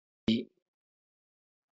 Bii.